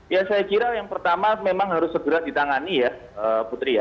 ya saya kira yang pertama memang harus segera ditangani ya putri ya